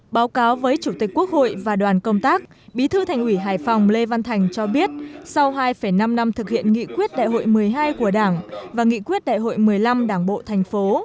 báo cáo với chủ tịch quốc hội và đoàn công tác bí thư thành ủy hải phòng lê văn thành cho biết sau hai năm năm thực hiện nghị quyết đại hội một mươi hai của đảng và nghị quyết đại hội một mươi năm đảng bộ thành phố